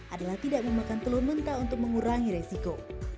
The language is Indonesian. adalah tidak memakan telur mentah untuk mengurangi resiko